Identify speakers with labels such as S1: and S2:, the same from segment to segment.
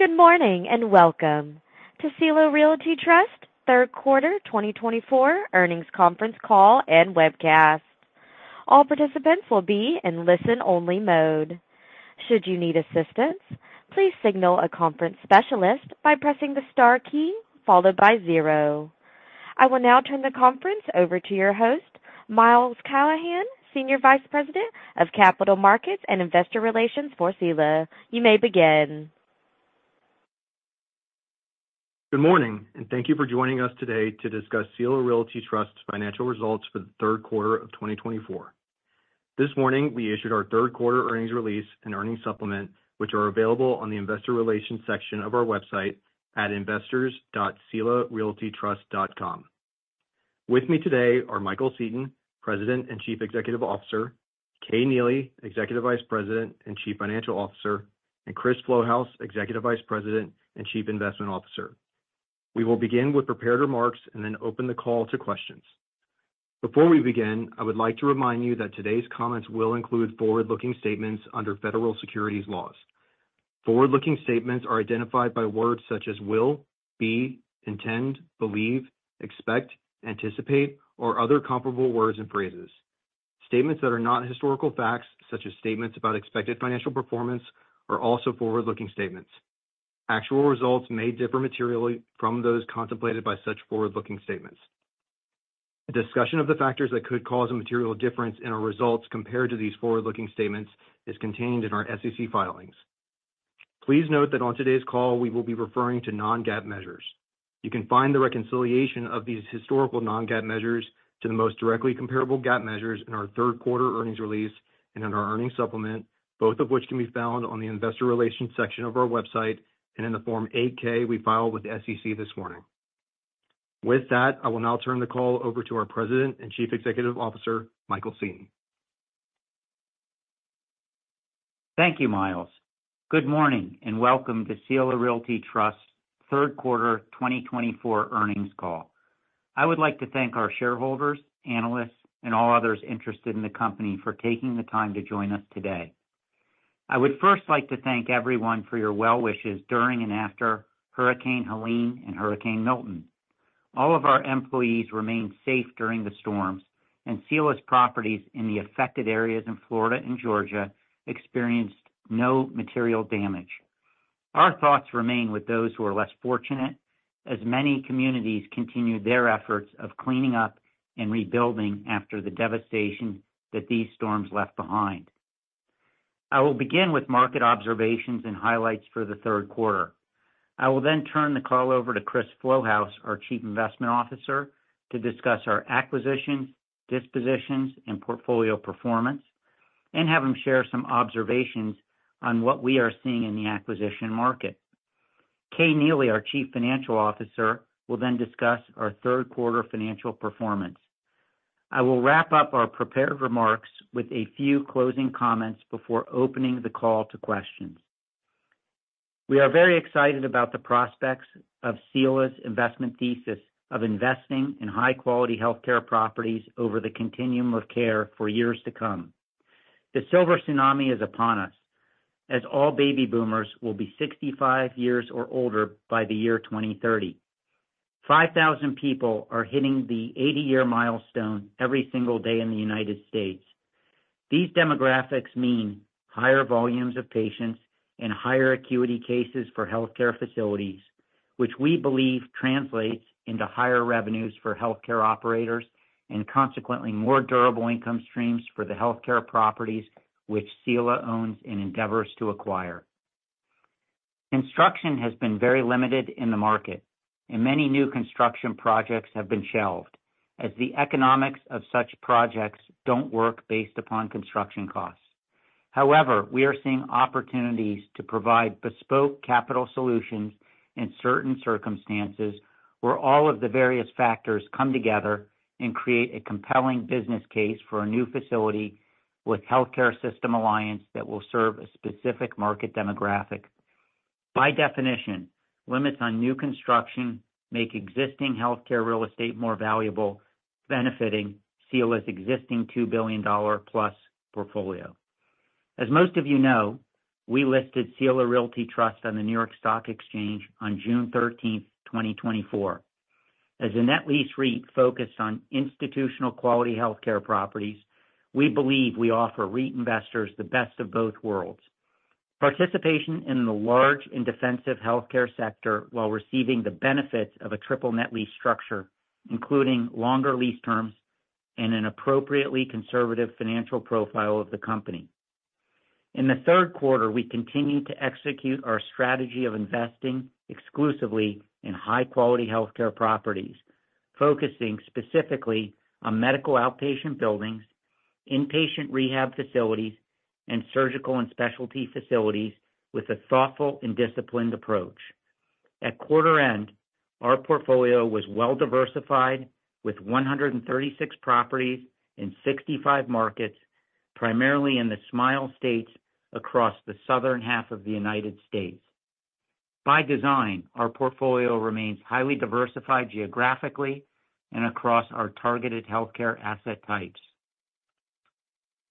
S1: Good morning and welcome to Sila Realty Trust third quarter 2024 earnings conference call and webcast. All participants will be in listen-only mode. Should you need assistance, please signal a conference specialist by pressing the star key followed by zero. I will now turn the conference over to your host, Miles Callahan, Senior Vice President of Capital Markets and Investor Relations for Sila. You may begin.
S2: Good morning, and thank you for joining us today to discuss Sila Realty Trust's financial results for the third quarter of 2024. This morning, we issued our third quarter earnings release and earnings supplement, which are available on the Investor Relations section of our website at investors.sila-realty-trust.com. With me today are Michael Seton, President and Chief Executive Officer, Kay Neely, Executive Vice President and Chief Financial Officer, and Chris Flouhouse, Executive Vice President and Chief Investment Officer. We will begin with prepared remarks and then open the call to questions. Before we begin, I would like to remind you that today's comments will include forward-looking statements under federal securities laws. Forward-looking statements are identified by words such as will, be, intend, believe, expect, anticipate, or other comparable words and phrases. Statements that are not historical facts, such as statements about expected financial performance, are also forward-looking statements. Actual results may differ materially from those contemplated by such forward-looking statements. A discussion of the factors that could cause a material difference in our results compared to these forward-looking statements is contained in our SEC filings. Please note that on today's call, we will be referring to non-GAAP measures. You can find the reconciliation of these historical non-GAAP measures to the most directly comparable GAAP measures in our third quarter earnings release and in our earnings supplement, both of which can be found on the Investor Relations section of our website and in the Form 8-K we filed with the SEC this morning. With that, I will now turn the call over to our President and Chief Executive Officer, Michael Seton.
S3: Thank you, Miles. Good morning and welcome to Sila Realty Trust's third quarter 2024 earnings call. I would like to thank our shareholders, analysts, and all others interested in the company for taking the time to join us today. I would first like to thank everyone for your well wishes during and after Hurricane Helene and Hurricane Milton. All of our employees remained safe during the storms, and Sila's properties in the affected areas in Florida and Georgia experienced no material damage. Our thoughts remain with those who are less fortunate, as many communities continue their efforts of cleaning up and rebuilding after the devastation that these storms left behind. I will begin with market observations and highlights for the third quarter. I will then turn the call over to Chris Flouhouse, our Chief Investment Officer, to discuss our acquisitions, dispositions, and portfolio performance, and have him share some observations on what we are seeing in the acquisition market. Kay Neely, our Chief Financial Officer, will then discuss our third quarter financial performance. I will wrap up our prepared remarks with a few closing comments before opening the call to questions. We are very excited about the prospects of Sila's investment thesis of investing in high-quality healthcare properties over the continuum of care for years to come. The silver tsunami is upon us, as all baby boomers will be 65 years or older by the year 2030. 5,000 people are hitting the 80-year milestone every single day in the United States. These demographics mean higher volumes of patients and higher acuity cases for healthcare facilities, which we believe translates into higher revenues for healthcare operators and consequently more durable income streams for the healthcare properties which Sila owns and endeavors to acquire. Construction has been very limited in the market, and many new construction projects have been shelved, as the economics of such projects don't work based upon construction costs. However, we are seeing opportunities to provide bespoke capital solutions in certain circumstances where all of the various factors come together and create a compelling business case for a new facility with healthcare system alliance that will serve a specific market demographic. By definition, limits on new construction make existing healthcare real estate more valuable, benefiting Sila's existing $2 billion-plus portfolio. As most of you know, we listed Sila Realty Trust on the New York Stock Exchange on June 13, 2024. As a net lease REIT focused on institutional quality healthcare properties, we believe we offer REIT investors the best of both worlds: participation in the large and defensive healthcare sector while receiving the benefits of a triple net lease structure, including longer lease terms and an appropriately conservative financial profile of the company. In the third quarter, we continue to execute our strategy of investing exclusively in high-quality healthcare properties, focusing specifically on medical outpatient buildings, inpatient rehab facilities, and surgical and specialty facilities with a thoughtful and disciplined approach. At quarter end, our portfolio was well diversified with 136 properties in 65 markets, primarily in the Smile States across the southern half of the United States. By design, our portfolio remains highly diversified geographically and across our targeted healthcare asset types.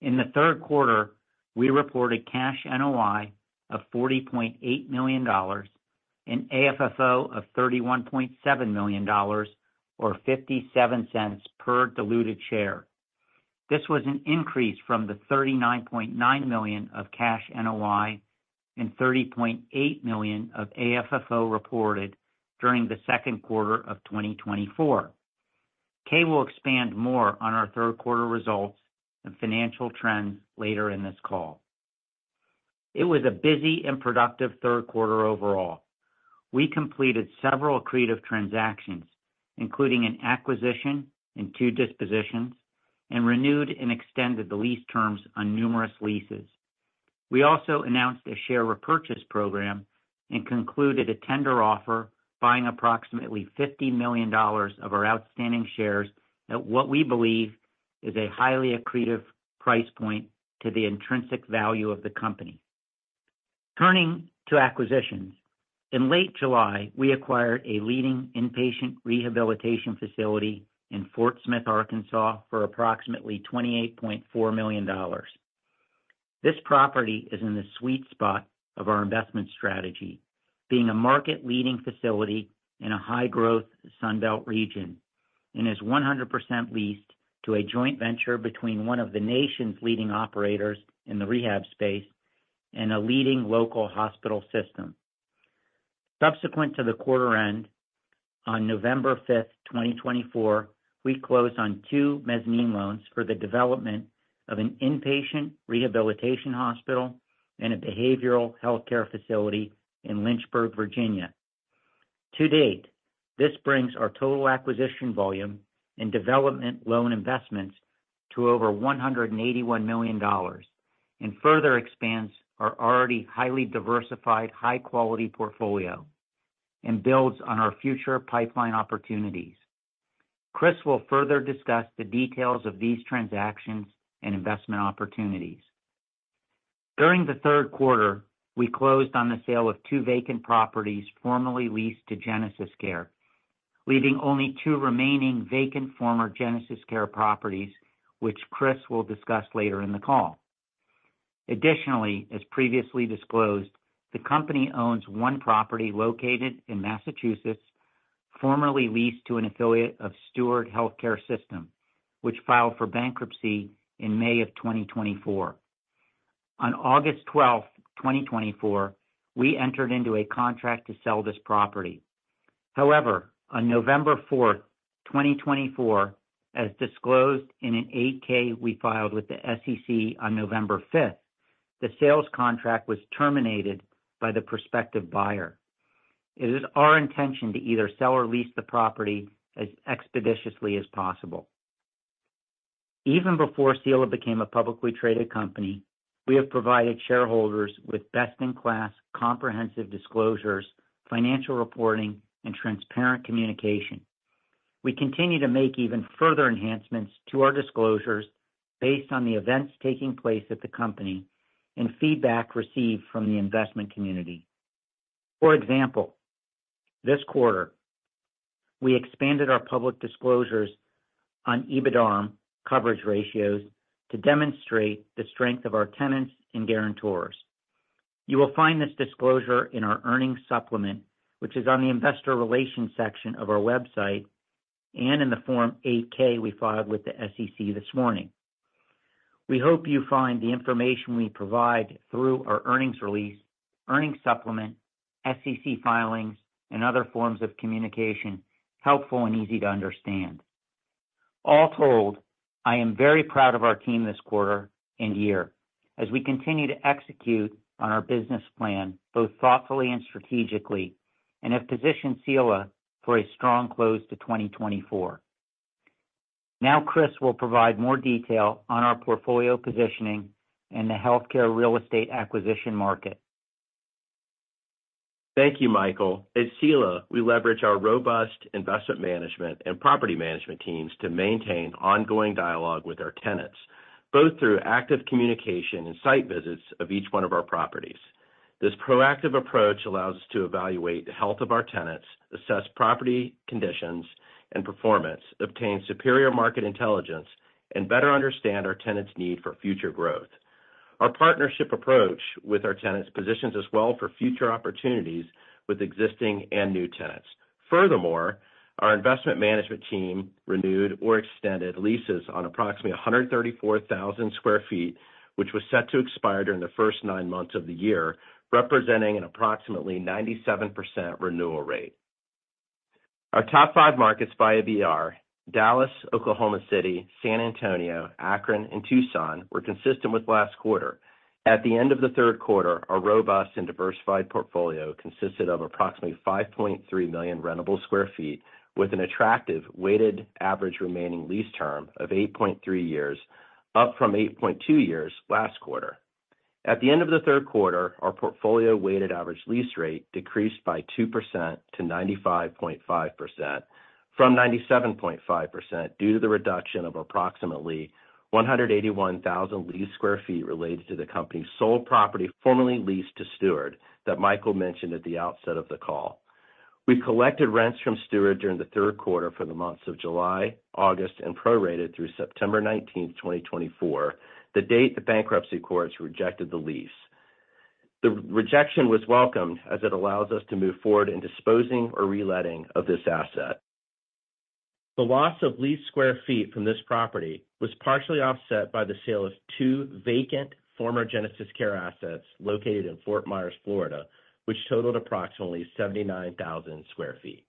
S3: In the third quarter, we reported Cash NOI of $40.8 million and AFFO of $31.7 million, or $0.57 per diluted share. This was an increase from the $39.9 million of Cash NOI and $30.8 million of AFFO reported during the second quarter of 2024. Kay will expand more on our third quarter results and financial trends later in this call. It was a busy and productive third quarter overall. We completed several accretive transactions, including an acquisition and two dispositions, and renewed and extended the lease terms on numerous leases. We also announced a share repurchase program and concluded a tender offer buying approximately $50 million of our outstanding shares at what we believe is a highly accretive price point to the intrinsic value of the company. Turning to acquisitions, in late July, we acquired a leading inpatient rehabilitation facility in Fort Smith, Arkansas, for approximately $28.4 million. This property is in the sweet spot of our investment strategy, being a market-leading facility in a high-growth Sunbelt region and is 100% leased to a joint venture between one of the nation's leading operators in the rehab space and a leading local hospital system. Subsequent to the quarter end, on November 5, 2024, we closed on two mezzanine loans for the development of an inpatient rehabilitation hospital and a behavioral healthcare facility in Lynchburg, Virginia. To date, this brings our total acquisition volume and development loan investments to over $181 million and further expands our already highly diversified, high-quality portfolio and builds on our future pipeline opportunities. Chris will further discuss the details of these transactions and investment opportunities. During the third quarter, we closed on the sale of two vacant properties formerly leased to GenesisCare, leaving only two remaining vacant former GenesisCare properties, which Chris will discuss later in the call. Additionally, as previously disclosed, the company owns one property located in Massachusetts, formerly leased to an affiliate of Steward Health Care System, which filed for bankruptcy in May of 2024. On August 12, 2024, we entered into a contract to sell this property. However, on November 4, 2024, as disclosed in an 8-K we filed with the SEC on November 5, the sales contract was terminated by the prospective buyer. It is our intention to either sell or lease the property as expeditiously as possible. Even before Sila became a publicly traded company, we have provided shareholders with best-in-class comprehensive disclosures, financial reporting, and transparent communication. We continue to make even further enhancements to our disclosures based on the events taking place at the company and feedback received from the investment community. For example, this quarter, we expanded our public disclosures on EBITDA coverage ratios to demonstrate the strength of our tenants and guarantors. You will find this disclosure in our earnings supplement, which is on the Investor Relations section of our website and in the Form 8-K we filed with the SEC this morning. We hope you find the information we provide through our earnings release, earnings supplement, SEC filings, and other forms of communication helpful and easy to understand. All told, I am very proud of our team this quarter and year as we continue to execute on our business plan both thoughtfully and strategically and have positioned Sila for a strong close to 2024. Now, Chris will provide more detail on our portfolio positioning and the healthcare real estate acquisition market.
S4: Thank you, Michael. At Sila, we leverage our robust investment management and property management teams to maintain ongoing dialogue with our tenants, both through active communication and site visits of each one of our properties. This proactive approach allows us to evaluate the health of our tenants, assess property conditions and performance, obtain superior market intelligence, and better understand our tenants' need for future growth. Our partnership approach with our tenants positions us well for future opportunities with existing and new tenants. Furthermore, our investment management team renewed or extended leases on approximately 134,000 sq ft, which was set to expire during the first nine months of the year, representing an approximately 97% renewal rate. Our top five markets by ABR: Dallas, Oklahoma City, San Antonio, Akron, and Tucson, were consistent with last quarter. At the end of the third quarter, our robust and diversified portfolio consisted of approximately 5.3 million rentable sq ft with an attractive weighted average remaining lease term of 8.3 years, up from 8.2 years last quarter. At the end of the third quarter, our portfolio weighted average lease rate decreased by 2% to 95.5% from 97.5% due to the reduction of approximately 181,000 leased sq ft related to the company's sole property formerly leased to Steward that Michael mentioned at the outset of the call. We collected rents from Steward during the third quarter for the months of July, August, and prorated through September 19, 2024, the date the bankruptcy courts rejected the lease. The rejection was welcomed as it allows us to move forward in disposing or reletting of this asset. The loss of leased sq ft from this property was partially offset by the sale of two vacant former GenesisCare assets located in Fort Myers, Florida, which totaled approximately 79,000 sq ft.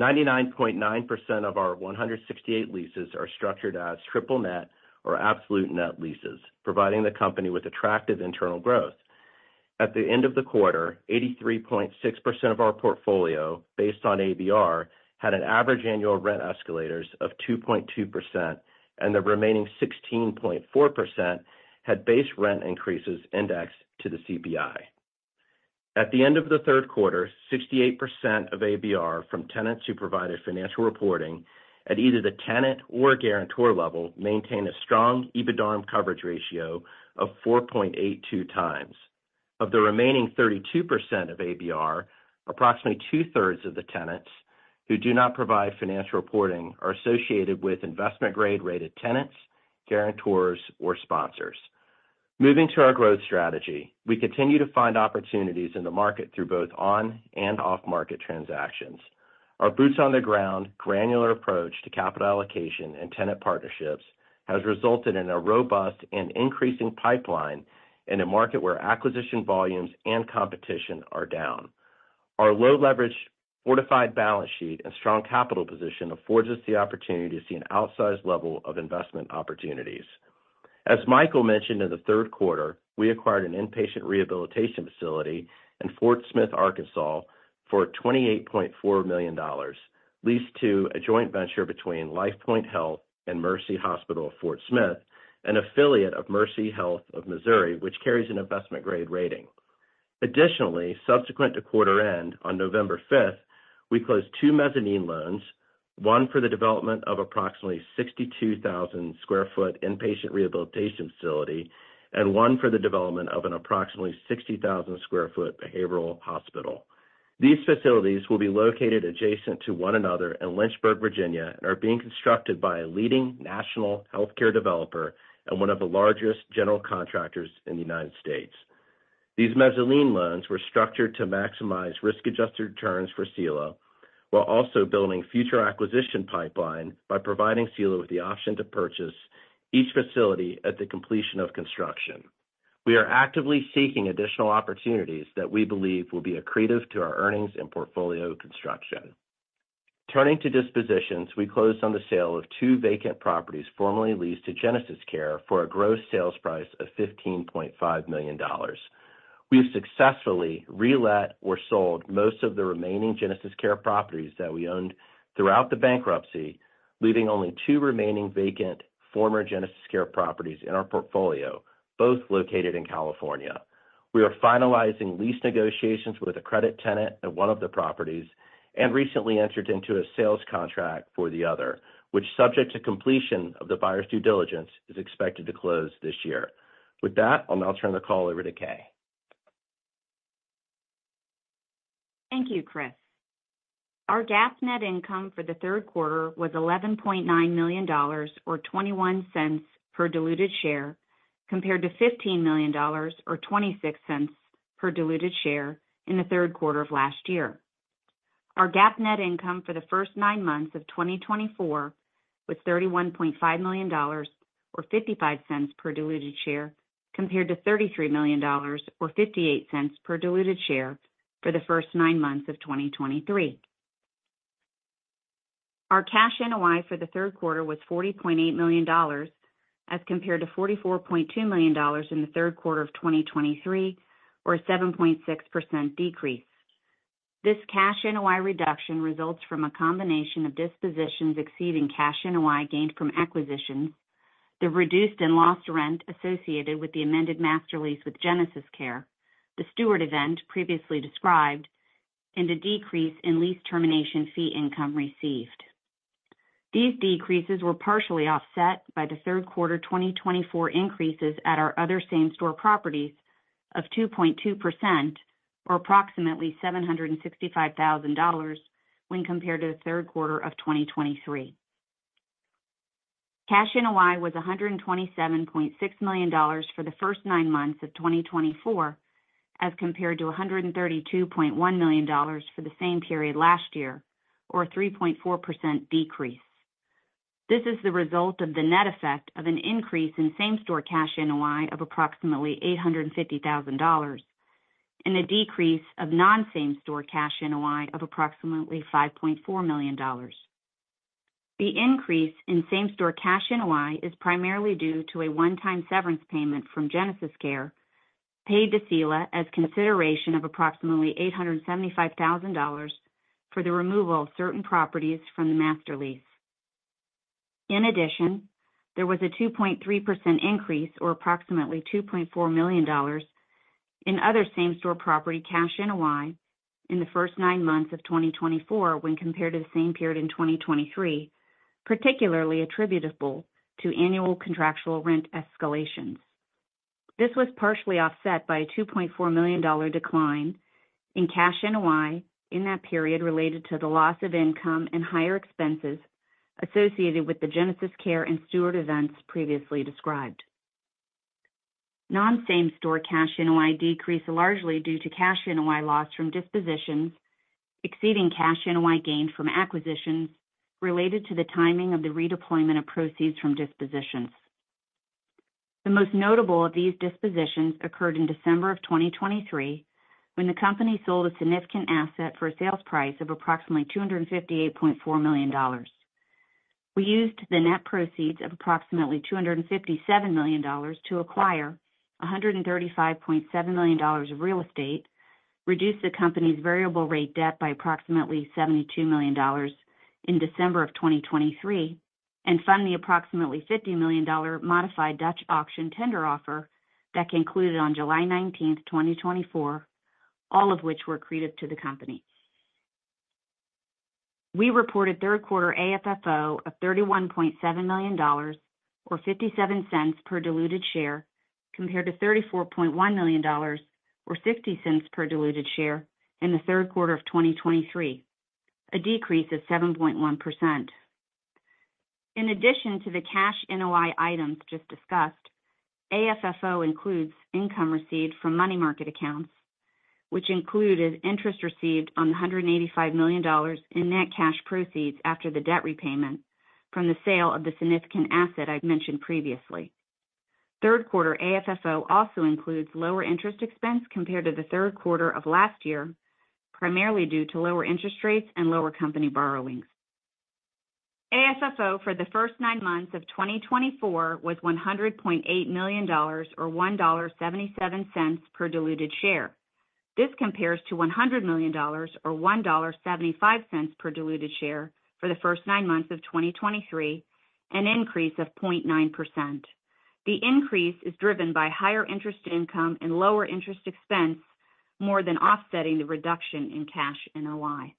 S4: 99.9% of our 168 leases are structured as triple net or absolute net leases, providing the company with attractive internal growth. At the end of the quarter, 83.6% of our portfolio, based on ABR, had an average annual rent escalators of 2.2%, and the remaining 16.4% had base rent increases indexed to the CPI. At the end of the third quarter, 68% of ABR from tenants who provided financial reporting at either the tenant or guarantor level maintained a strong EBITDA coverage ratio of 4.82 times. Of the remaining 32% of ABR, approximately two-thirds of the tenants who do not provide financial reporting are associated with investment-grade rated tenants, guarantors, or sponsors. Moving to our growth strategy, we continue to find opportunities in the market through both on and off-market transactions. Our boots-on-the-ground, granular approach to capital allocation and tenant partnerships has resulted in a robust and increasing pipeline in a market where acquisition volumes and competition are down. Our low-leverage fortified balance sheet and strong capital position affords us the opportunity to see an outsized level of investment opportunities. As Michael mentioned in the third quarter, we acquired an inpatient rehabilitation facility in Fort Smith, Arkansas, for $28.4 million, leased to a joint venture between LifePoint Health and Mercy Hospital Fort Smith, an affiliate of Mercy, which carries an investment-grade rating. Additionally, subsequent to quarter end, on November 5, we closed two mezzanine loans, one for the development of approximately 62,000 sq ft inpatient rehabilitation facility and one for the development of an approximately 60,000 sq ft behavioral hospital. These facilities will be located adjacent to one another in Lynchburg, Virginia, and are being constructed by a leading national healthcare developer and one of the largest general contractors in the United States. These mezzanine loans were structured to maximize risk-adjusted returns for Sila while also building a future acquisition pipeline by providing Sila with the option to purchase each facility at the completion of construction. We are actively seeking additional opportunities that we believe will be accretive to our earnings and portfolio construction. Turning to dispositions, we closed on the sale of two vacant properties formerly leased to GenesisCare for a gross sales price of $15.5 million. We have successfully relet or sold most of the remaining GenesisCare properties that we owned throughout the bankruptcy, leaving only two remaining vacant former GenesisCare properties in our portfolio, both located in California. We are finalizing lease negotiations with a credit tenant at one of the properties and recently entered into a sales contract for the other, which, subject to completion of the buyer's due diligence, is expected to close this year. With that, I'll now turn the call over to Kay.
S5: Thank you, Chris. Our GAAP net income for the third quarter was $11.9 million, or 21 cents per diluted share, compared to $15 million, or 26 cents per diluted share in the third quarter of last year. Our GAAP net income for the first nine months of 2024 was $31.5 million, or 55 cents per diluted share, compared to $33 million, or 58 cents per diluted share for the first nine months of 2023. Our Cash NOI for the third quarter was $40.8 million, as compared to $44.2 million in the third quarter of 2023, or a 7.6% decrease. This Cash NOI reduction results from a combination of dispositions exceeding Cash NOI gained from acquisitions, the reduced and lost rent associated with the amended master lease with GenesisCare, the Steward event previously described, and a decrease in lease termination fee income received. These decreases were partially offset by the third quarter 2024 increases at our other same-store properties of 2.2%, or approximately $765,000, when compared to the third quarter of 2023. Cash NOI was $127.6 million for the first nine months of 2024, as compared to $132.1 million for the same period last year, or a 3.4% decrease. This is the result of the net effect of an increase in same-store cash NOI of approximately $850,000 and a decrease of non-same-store cash NOI of approximately $5.4 million. The increase in same-store cash NOI is primarily due to a one-time severance payment from GenesisCare paid to Sila as consideration of approximately $875,000 for the removal of certain properties from the master lease. In addition, there was a 2.3% increase, or approximately $2.4 million, in other same-store property cash NOI in the first nine months of 2024 when compared to the same period in 2023, particularly attributable to annual contractual rent escalations. This was partially offset by a $2.4 million decline in cash NOI in that period related to the loss of income and higher expenses associated with the GenesisCare and Steward events previously described. Non-same-store cash NOI decreased largely due to cash NOI lost from dispositions exceeding cash NOI gained from acquisitions related to the timing of the redeployment of proceeds from dispositions. The most notable of these dispositions occurred in December of 2023 when the company sold a significant asset for a sales price of approximately $258.4 million. We used the net proceeds of approximately $257 million to acquire $135.7 million of real estate, reduce the company's variable rate debt by approximately $72 million in December of 2023, and fund the approximately $50 million modified Dutch auction tender offer that concluded on July 19, 2024, all of which were accretive to the company. We reported third quarter AFFO of $31.7 million, or $0.57 per diluted share, compared to $34.1 million, or $0.60 per diluted share in the third quarter of 2023, a decrease of 7.1%. In addition to the cash NOI items just discussed, AFFO includes income received from money market accounts, which included interest received on $185 million in net cash proceeds after the debt repayment from the sale of the significant asset I've mentioned previously. Third quarter AFFO also includes lower interest expense compared to the third quarter of last year, primarily due to lower interest rates and lower company borrowings. AFFO for the first nine months of 2024 was $100.8 million, or $1.77 per diluted share. This compares to $100 million, or $1.75 per diluted share for the first nine months of 2023, an increase of 0.9%. The increase is driven by higher interest income and lower interest expense more than offsetting the reduction in Cash NOI.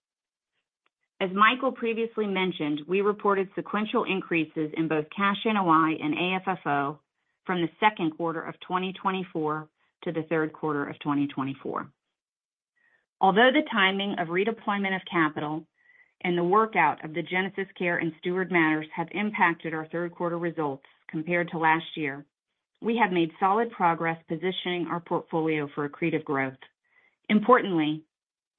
S5: As Michael previously mentioned, we reported sequential increases in both Cash NOI and AFFO from the second quarter of 2024 to the third quarter of 2024. Although the timing of redeployment of capital and the workout of the GenesisCare and Steward matters have impacted our third quarter results compared to last year, we have made solid progress positioning our portfolio for accretive growth. Importantly,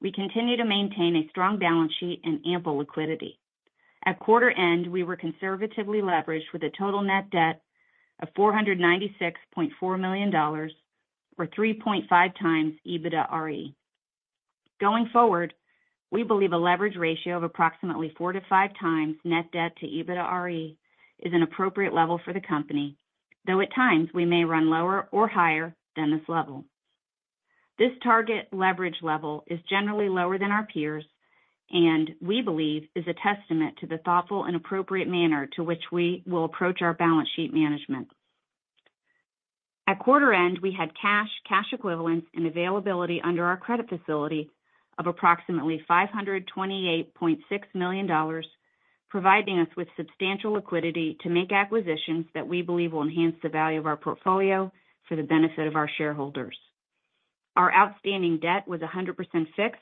S5: we continue to maintain a strong balance sheet and ample liquidity. At quarter end, we were conservatively leveraged with a total net debt of $496.4 million, or 3.5 times EBITDAre. Going forward, we believe a leverage ratio of approximately four to five times net debt to EBITDAre is an appropriate level for the company, though at times we may run lower or higher than this level. This target leverage level is generally lower than our peers and, we believe, is a testament to the thoughtful and appropriate manner to which we will approach our balance sheet management. At quarter end, we had cash, cash equivalents, and availability under our credit facility of approximately $528.6 million, providing us with substantial liquidity to make acquisitions that we believe will enhance the value of our portfolio for the benefit of our shareholders. Our outstanding debt was 100% fixed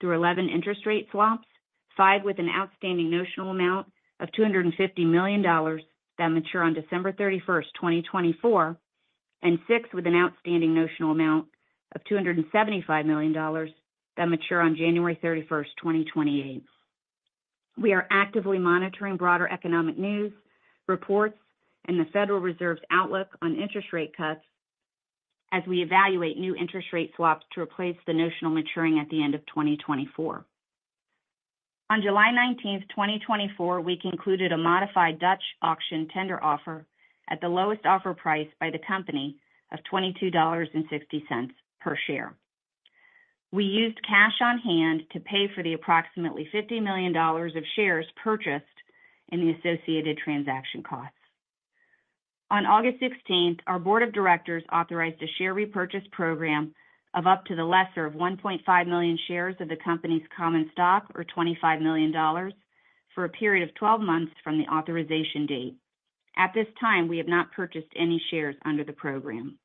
S5: through 11 interest rate swaps, five with an outstanding notional amount of $250 million that mature on December 31, 2024, and six with an outstanding notional amount of $275 million that mature on January 31, 2028. We are actively monitoring broader economic news, reports, and the Federal Reserve's outlook on interest rate cuts as we evaluate new interest rate swaps to replace the notional maturing at the end of 2024. On July 19, 2024, we concluded a modified Dutch auction tender offer at the lowest offer price by the company of $22.60 per share. We used cash on hand to pay for the approximately $50 million of shares purchased in the associated transaction costs. On August 16, our board of directors authorized a share repurchase program of up to the lesser of 1.5 million shares of the company's common stock, or $25 million, for a period of 12 months from the authorization date. At this time, we have not purchased any shares under the program.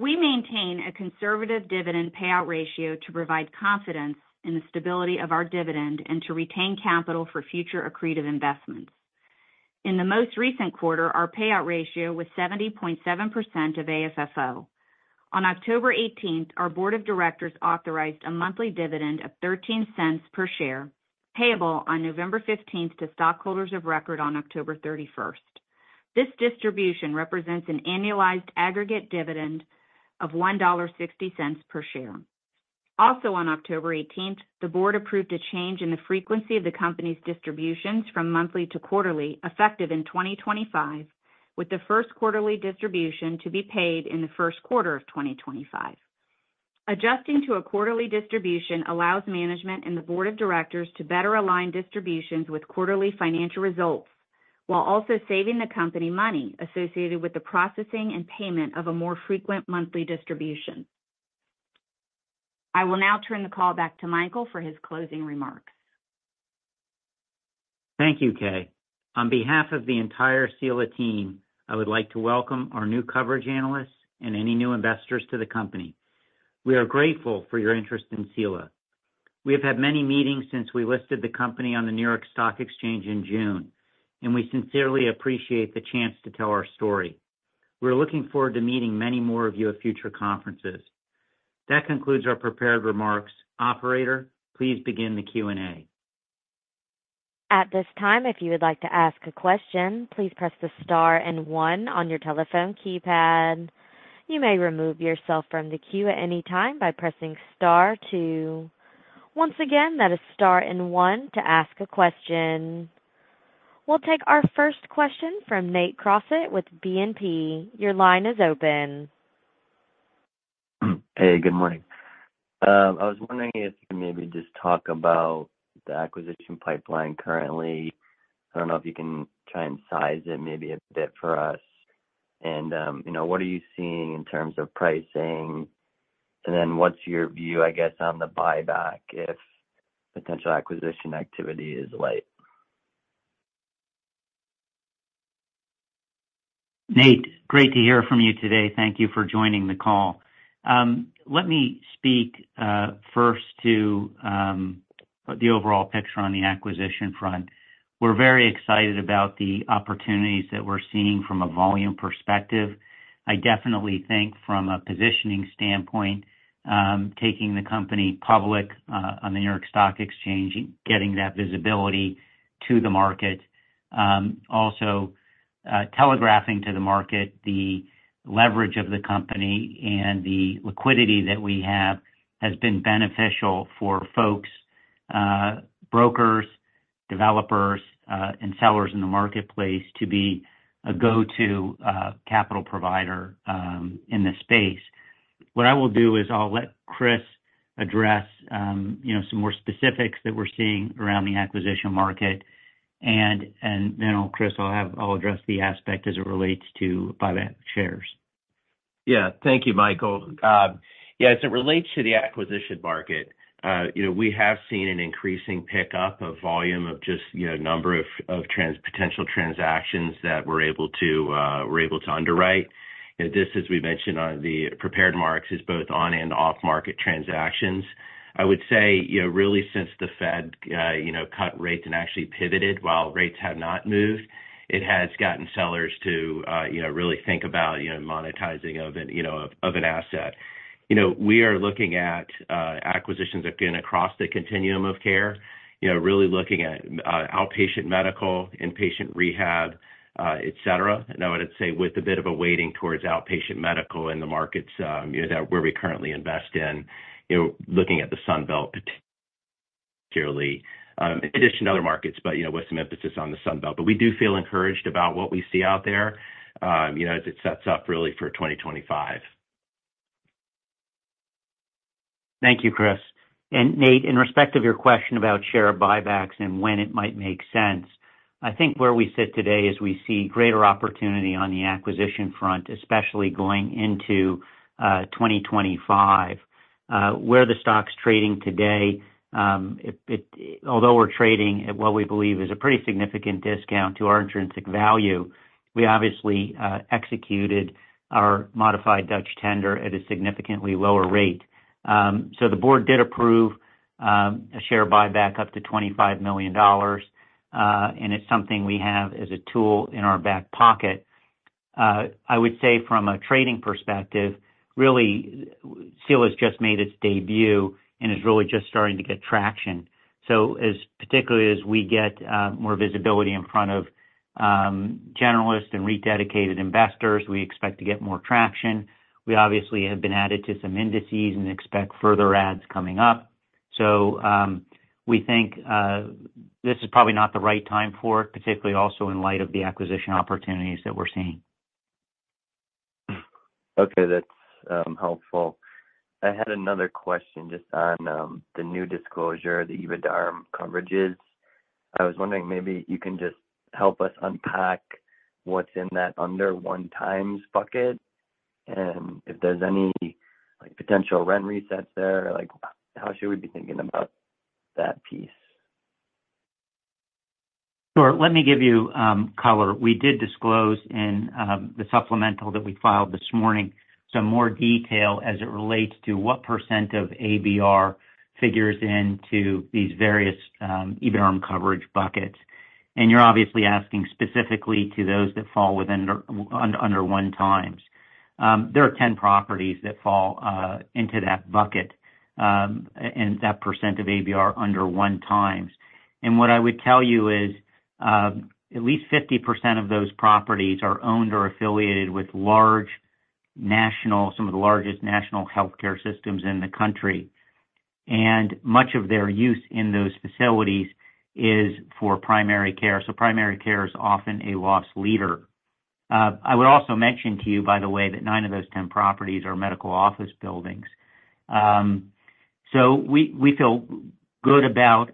S5: We maintain a conservative dividend payout ratio to provide confidence in the stability of our dividend and to retain capital for future accretive investments. In the most recent quarter, our payout ratio was 70.7% of AFFO. On October 18, our board of directors authorized a monthly dividend of $0.13 per share, payable on November 15 to stockholders of record on October 31. This distribution represents an annualized aggregate dividend of $1.60 per share. Also, on October 18, the board approved a change in the frequency of the company's distributions from monthly to quarterly, effective in 2025, with the first quarterly distribution to be paid in the first quarter of 2025. Adjusting to a quarterly distribution allows management and the board of directors to better align distributions with quarterly financial results while also saving the company money associated with the processing and payment of a more frequent monthly distribution. I will now turn the call back to Michael for his closing remarks.
S3: Thank you, Kay. On behalf of the entire Sila team, I would like to welcome our new coverage analysts and any new investors to the company. We are grateful for your interest in Sila. We have had many meetings since we listed the company on the New York Stock Exchange in June, and we sincerely appreciate the chance to tell our story. We're looking forward to meeting many more of you at future conferences. That concludes our prepared remarks. Operator, please begin the Q&A.
S1: At this time, if you would like to ask a question, please press the star and one on your telephone keypad. You may remove yourself from the queue at any time by pressing star two. Once again, that is star and one to ask a question. We'll take our first question from Nate Crossett with BNP. Your line is open.
S6: Hey, good morning. I was wondering if you could maybe just talk about the acquisition pipeline currently. I don't know if you can try and size it maybe a bit for us. And what are you seeing in terms of pricing? And then what's your view, I guess, on the buyback if potential acquisition activity is light?
S3: Nate, great to hear from you today. Thank you for joining the call. Let me speak first to the overall picture on the acquisition front. We're very excited about the opportunities that we're seeing from a volume perspective. I definitely think from a positioning standpoint, taking the company public on the New York Stock Exchange and getting that visibility to the market, also telegraphing to the market the leverage of the company and the liquidity that we have has been beneficial for folks, brokers, developers, and sellers in the marketplace to be a go-to capital provider in this space. What I will do is I'll let Chris address some more specifics that we're seeing around the acquisition market. And then Chris, I'll address the aspect as it relates to buyback shares.
S4: Yeah. Thank you, Michael. Yeah, as it relates to the acquisition market, we have seen an increasing pickup of volume of just a number of potential transactions that we're able to underwrite. This, as we mentioned on the prepared remarks, is both on and off-market transactions. I would say really since the Fed cut rates and actually pivoted while rates had not moved, it has gotten sellers to really think about monetizing an asset. We are looking at acquisitions again across the continuum of care, really looking at outpatient medical, inpatient rehab, etc. And I would say with a bit of a weighting towards outpatient medical in the markets where we currently invest in, looking at the Sunbelt particularly, in addition to other markets, but with some emphasis on the Sunbelt. But we do feel encouraged about what we see out there as it sets up really for 2025.
S3: Thank you, Chris. And Nate, in respect of your question about share buybacks and when it might make sense, I think where we sit today is we see greater opportunity on the acquisition front, especially going into 2025. Where the stock's trading today, although we're trading at what we believe is a pretty significant discount to our intrinsic value, we obviously executed our modified Dutch tender at a significantly lower rate. So the board did approve a share buyback up to $25 million, and it's something we have as a tool in our back pocket. I would say from a trading perspective, really Sila has just made its debut and is really just starting to get traction. So as particularly as we get more visibility in front of generalists and dedicated investors, we expect to get more traction. We obviously have been added to some indices and expect further adds coming up. So we think this is probably not the right time for it, particularly also in light of the acquisition opportunities that we're seeing.
S6: Okay. That's helpful. I had another question just on the new disclosure, the EBITDAR coverages. I was wondering maybe you can just help us unpack what's in that under one times bucket and if there's any potential rent resets there, how should we be thinking about that piece?
S3: Sure. Let me give you color. We did disclose in the supplemental that we filed this morning some more detail as it relates to what % of ABR figures into these various EBITDAR coverage buckets. And you're obviously asking specifically to those that fall under one times. There are 10 properties that fall into that bucket and that % of ABR under one times. And what I would tell you is at least 50% of those properties are owned or affiliated with large national, some of the largest national healthcare systems in the country. And much of their use in those facilities is for primary care. So primary care is often a loss leader. I would also mention to you, by the way, that nine of those 10 properties are medical office buildings. So we feel good about,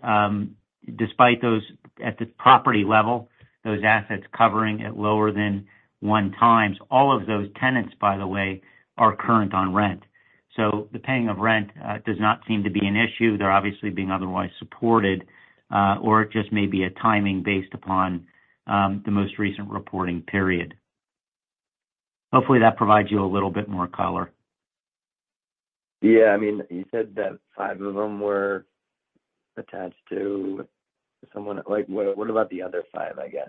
S3: despite those at the property level, those assets covering at lower than one times. All of those tenants, by the way, are current on rent. So the paying of rent does not seem to be an issue. They're obviously being otherwise supported, or it just may be a timing based upon the most recent reporting period. Hopefully, that provides you a little bit more color.
S6: Yeah. I mean, you said that five of them were attached to someone. What about the other five, I guess?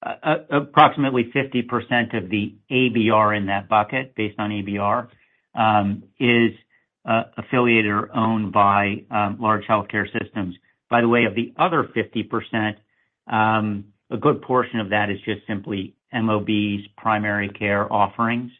S3: Approximately 50% of the ABR in that bucket, based on ABR, is affiliated or owned by large healthcare systems. By the way, of the other 50%, a good portion of that is just simply MOBs, primary care offerings,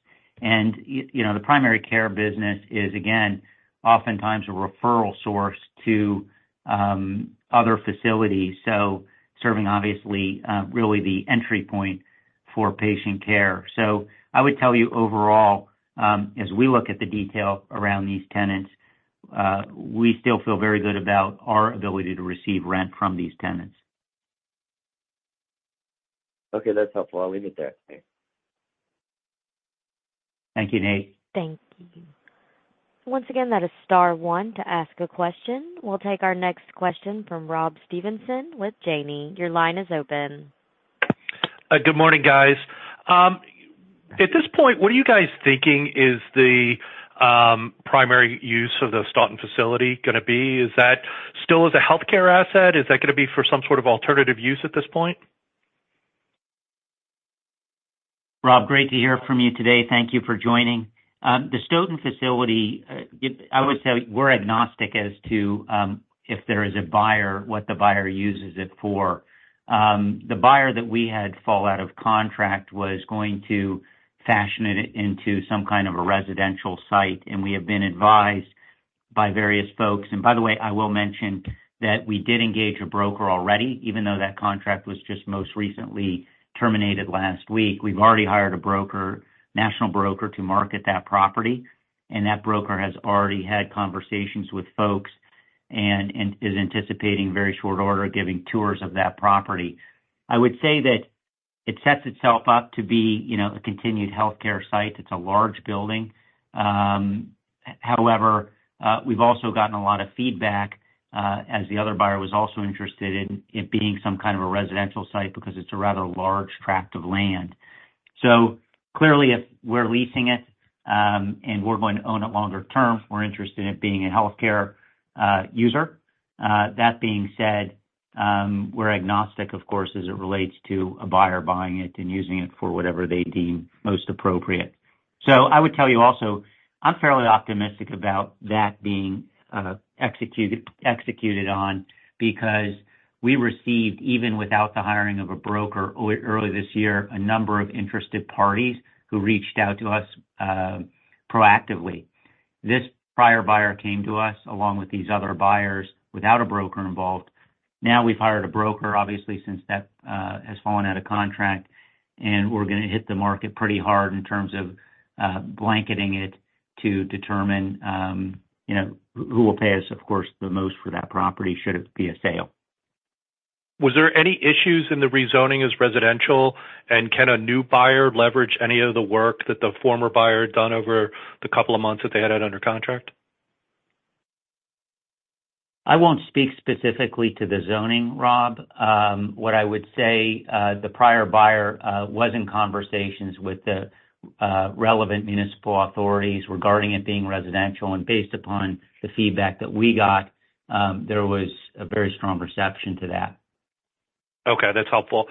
S3: and the primary care business is, again, oftentimes a referral source to other facilities, so serving obviously really the entry point for patient care, so I would tell you overall, as we look at the detail around these tenants, we still feel very good about our ability to receive rent from these tenants.
S6: Okay. That's helpful. I'll leave it there.
S3: Thank you, Nate.
S1: Thank you. Once again, that is star one to ask a question. We'll take our next question from Rob Stevenson with Janney. Your line is open.
S7: Good morning, guys. At this point, what are you guys thinking is the primary use of the Stoughton facility going to be? Is that still as a healthcare asset? Is that going to be for some sort of alternative use at this point?
S3: Rob, great to hear from you today. Thank you for joining. The Stoughton facility, I would say we're agnostic as to if there is a buyer, what the buyer uses it for. The buyer that we had fall out of contract was going to fashion it into some kind of a residential site. And we have been advised by various folks. And by the way, I will mention that we did engage a broker already, even though that contract was just most recently terminated last week. We've already hired a broker, national broker to market that property. And that broker has already had conversations with folks and is anticipating very short order giving tours of that property. I would say that it sets itself up to be a continued healthcare site. It's a large building. However, we've also gotten a lot of feedback as the other buyer was also interested in it being some kind of a residential site because it's a rather large tract of land. So clearly, if we're leasing it and we're going to own it longer term, we're interested in it being a healthcare user. That being said, we're agnostic, of course, as it relates to a buyer buying it and using it for whatever they deem most appropriate. So I would tell you also, I'm fairly optimistic about that being executed on because we received, even without the hiring of a broker early this year, a number of interested parties who reached out to us proactively. This prior buyer came to us along with these other buyers without a broker involved. Now we've hired a broker, obviously, since that has fallen out of contract, and we're going to hit the market pretty hard in terms of blanketing it to determine who will pay us, of course, the most for that property should it be a sale.
S7: Was there any issues in the rezoning as residential, and can a new buyer leverage any of the work that the former buyer had done over the couple of months that they had it under contract?
S3: I won't speak specifically to the zoning, Rob. What I would say: the prior buyer was in conversations with the relevant municipal authorities regarding it being residential, and based upon the feedback that we got, there was a very strong reception to that.
S7: Okay. That's helpful.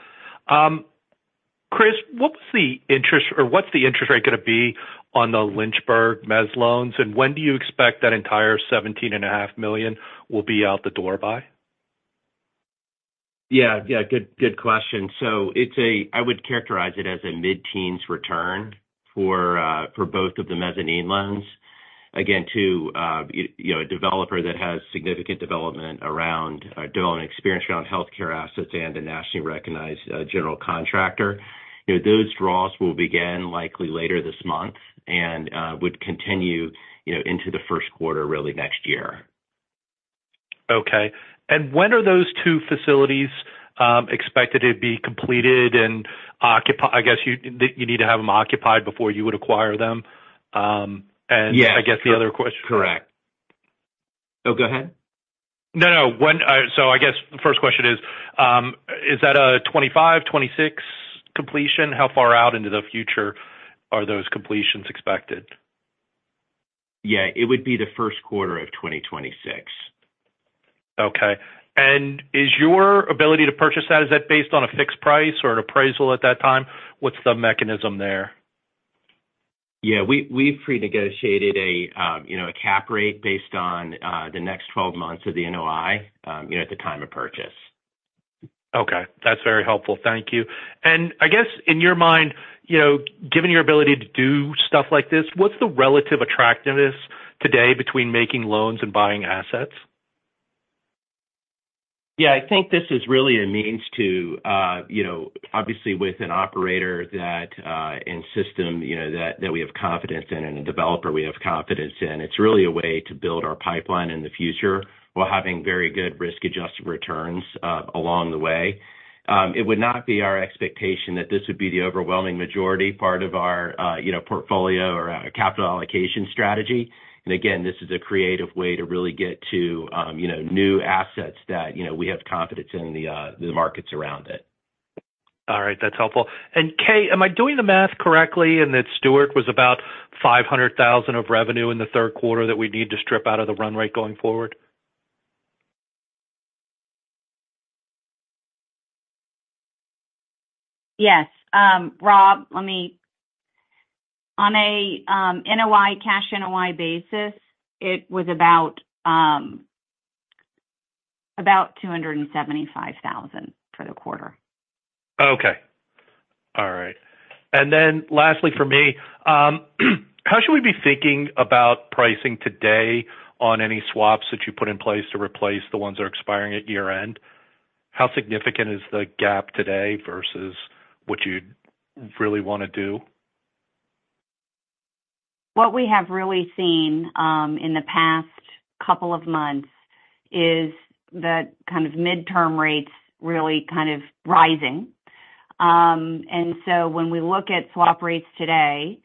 S7: Chris, what's the interest rate going to be on the Lynchburg Mezz loans, and when do you expect that entire $17.5 million will be out the door by?
S3: Yeah. Yeah. Good question. So I would characterize it as a mid-teens return for both of the mezzanine loans. Again, to a developer that has significant development experience around healthcare assets and a nationally recognized general contractor, those draws will begin likely later this month and would continue into the first quarter really next year.
S7: Okay. And when are those two facilities expected to be completed and occupied? I guess you need to have them occupied before you would acquire them. And I guess the other question.
S3: Correct. Oh, go ahead.
S7: No, no. So I guess the first question is, is that a 2025, 2026 completion? How far out into the future are those completions expected?
S3: Yeah. It would be the first quarter of 2026.
S7: Okay. And is your ability to purchase that, is that based on a fixed price or an appraisal at that time? What's the mechanism there?
S3: Yeah. We've pre-negotiated a Cap Rate based on the next 12 months of the NOI at the time of purchase.
S7: Okay. That's very helpful. Thank you. And I guess in your mind, given your ability to do stuff like this, what's the relative attractiveness today between making loans and buying assets?
S3: Yeah. I think this is really a means to, obviously, with an operator and system that we have confidence in and a developer we have confidence in. It's really a way to build our pipeline in the future while having very good risk-adjusted returns along the way. It would not be our expectation that this would be the overwhelming majority part of our portfolio or capital allocation strategy. And again, this is a creative way to really get to new assets that we have confidence in the markets around it.
S7: All right. That's helpful, and Kay, am I doing the math correctly in that Steward was about $500,000 of revenue in the third quarter that we need to strip out of the run rate going forward?
S5: Yes. Rob, on a Cash NOI basis, it was about $275,000 for the quarter.
S7: Okay. All right. And then lastly for me, how should we be thinking about pricing today on any swaps that you put in place to replace the ones that are expiring at year-end? How significant is the gap today versus what you really want to do?
S5: What we have really seen in the past couple of months is the kind of midterm rates really kind of rising. And so when we look at swap rates today,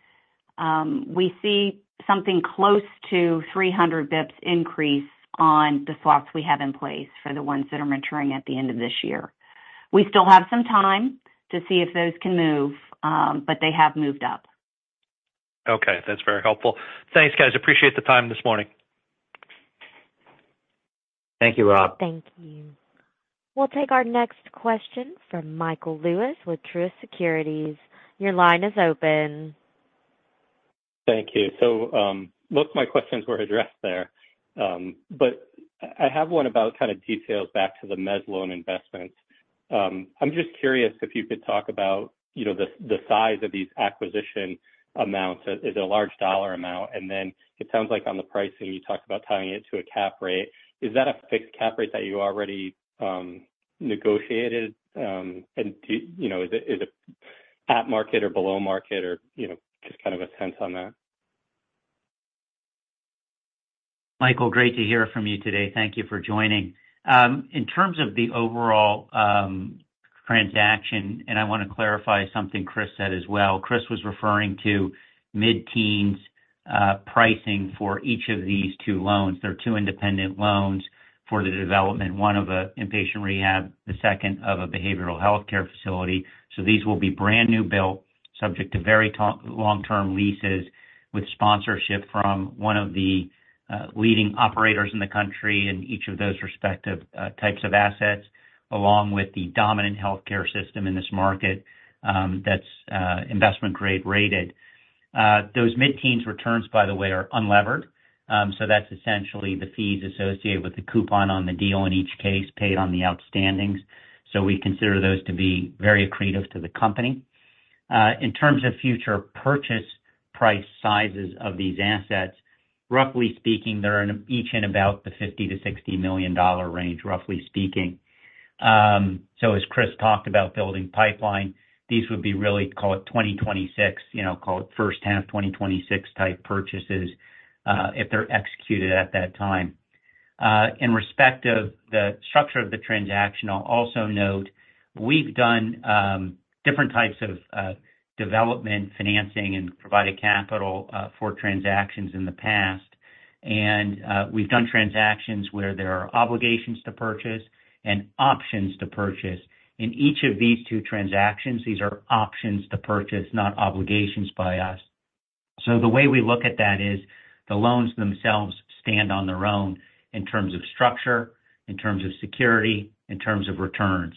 S5: we see something close to 300 basis points increase on the swaps we have in place for the ones that are maturing at the end of this year. We still have some time to see if those can move, but they have moved up.
S7: Okay. That's very helpful. Thanks, guys. Appreciate the time this morning.
S3: Thank you, Rob.
S1: Thank you. We'll take our next question from Michael Lewis with Truist Securities. Your line is open.
S8: Thank you. So most of my questions were addressed there. But I have one about kind of details back to the mezzanine loan investments. I'm just curious if you could talk about the size of these acquisition amounts. Is it a large dollar amount? And then it sounds like on the pricing, you talked about tying it to a cap rate. Is that a fixed cap rate that you already negotiated? And is it at market or below market or just kind of a sense on that?
S3: Michael, great to hear from you today. Thank you for joining. In terms of the overall transaction, and I want to clarify something Chris said as well. Chris was referring to mid-teens pricing for each of these two loans. They're two independent loans for the development, one of an inpatient rehab, the second of a behavioral healthcare facility. So these will be brand new built, subject to very long-term leases with sponsorship from one of the leading operators in the country in each of those respective types of assets, along with the dominant healthcare system in this market that's investment-grade rated. Those mid-teens returns, by the way, are unlevered. So that's essentially the fees associated with the coupon on the deal in each case paid on the outstandings. So we consider those to be very accretive to the company. In terms of future purchase price sizes of these assets, roughly speaking, they're each in about the $50-$60 million range, roughly speaking, so as Chris talked about building pipeline, these would be really, call it 2026, call it first half 2026 type purchases if they're executed at that time. In respect of the structure of the transaction, I'll also note we've done different types of development, financing, and provided capital for transactions in the past, and we've done transactions where there are obligations to purchase and options to purchase. In each of these two transactions, these are options to purchase, not obligations by us. So the way we look at that is the loans themselves stand on their own in terms of structure, in terms of security, in terms of returns.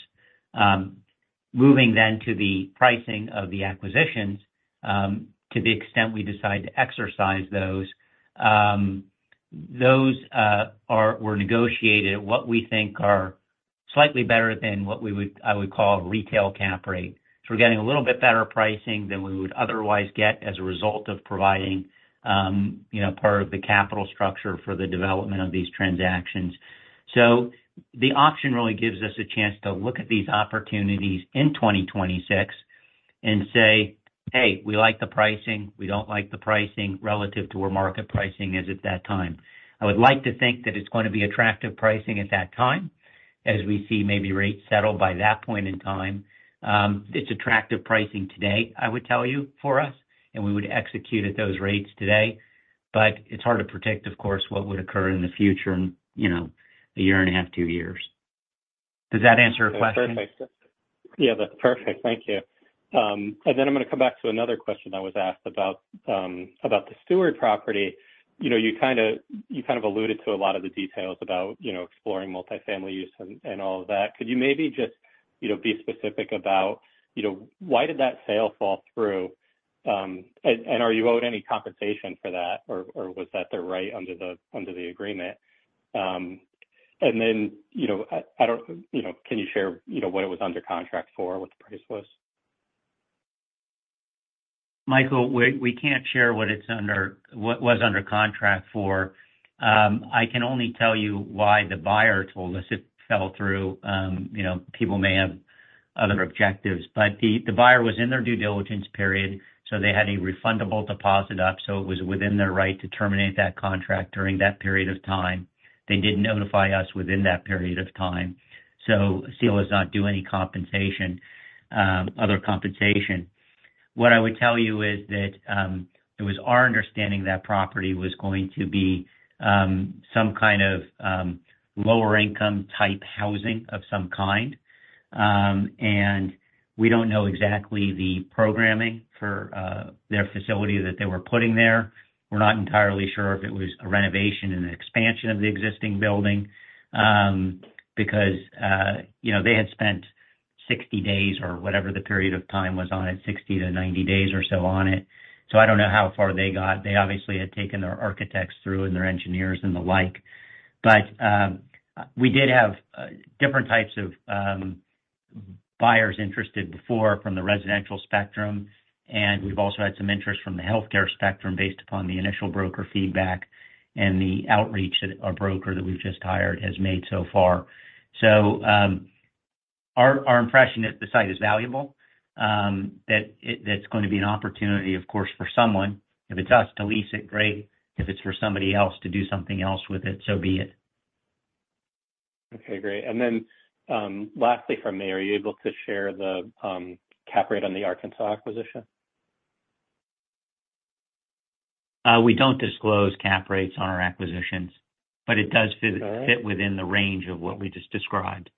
S3: Moving then to the pricing of the acquisitions, to the extent we decide to exercise those, those were negotiated at what we think are slightly better than what I would call retail cap rate. So we're getting a little bit better pricing than we would otherwise get as a result of providing part of the capital structure for the development of these transactions. So the option really gives us a chance to look at these opportunities in 2026 and say, "Hey, we like the pricing. We don't like the pricing relative to where market pricing is at that time." I would like to think that it's going to be attractive pricing at that time as we see maybe rates settle by that point in time. It's attractive pricing today, I would tell you, for us, and we would execute at those rates today. But it's hard to predict, of course, what would occur in the future in a year and a half, two years. Does that answer your question?
S8: Yeah. That's perfect. Thank you. And then I'm going to come back to another question that was asked about the Steward property. You kind of alluded to a lot of the details about exploring multifamily use and all of that. Could you maybe just be specific about why did that sale fall through? And are you owed any compensation for that, or was that the right under the agreement? And then I don't know, can you share what it was under contract for, what the price was?
S3: Michael, we can't share what it was under contract for. I can only tell you why the buyer told us it fell through. People may have other objectives. But the buyer was in their due diligence period, so they had a refundable deposit up. So it was within their right to terminate that contract during that period of time. They didn't notify us within that period of time. So Sila does not do any other compensation. What I would tell you is that it was our understanding that property was going to be some kind of lower-income type housing of some kind. And we don't know exactly the programming for their facility that they were putting there. We're not entirely sure if it was a renovation and an expansion of the existing building because they had spent 60 days or whatever the period of time was on it, 60-90 days or so on it. So I don't know how far they got. They obviously had taken their architects through and their engineers and the like. But we did have different types of buyers interested before from the residential spectrum. And we've also had some interest from the healthcare spectrum based upon the initial broker feedback and the outreach that our broker that we've just hired has made so far. So our impression is the site is valuable, that it's going to be an opportunity, of course, for someone. If it's us to lease it, great. If it's for somebody else to do something else with it, so be it.
S8: Okay. Great. And then lastly from me, are you able to share the cap rate on the Arkansas acquisition?
S3: We don't disclose cap rates on our acquisitions, but it does fit within the range of what we just described.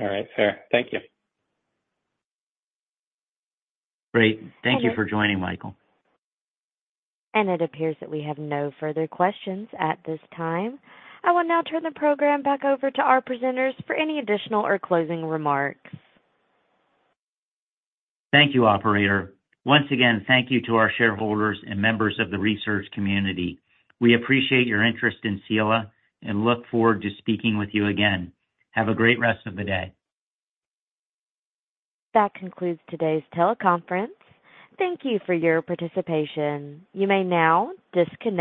S8: All right. Fair. Thank you.
S3: Great. Thank you for joining, Michael.
S1: It appears that we have no further questions at this time. I will now turn the program back over to our presenters for any additional or closing remarks.
S3: Thank you, operator. Once again, thank you to our shareholders and members of the research community. We appreciate your interest in Sila and look forward to speaking with you again. Have a great rest of the day.
S1: That concludes today's teleconference. Thank you for your participation. You may now disconnect.